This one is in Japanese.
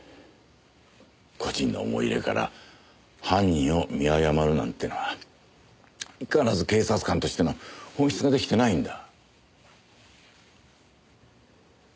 個人の思い入れから犯人を見誤るなんてのは相変わらず警察官としての本質が出来てないんだ。